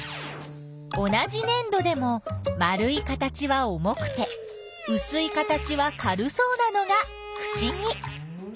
同じねん土でも丸い形は重くてうすい形は軽そうなのがふしぎ。